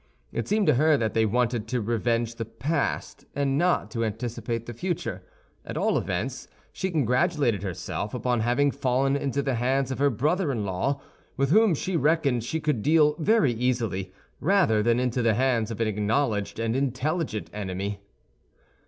It seemed to her that they wanted to revenge the past, and not to anticipate the future. At all events, she congratulated herself upon having fallen into the hands of her brother in law, with whom she reckoned she could deal very easily, rather than into the hands of an acknowledged and intelligent enemy.